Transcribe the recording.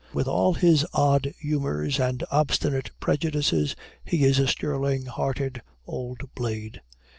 With all his odd humors and obstinate prejudices, he is a sterling hearted old blade.